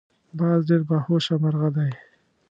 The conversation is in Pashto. باز ډیر باهوشه مرغه دی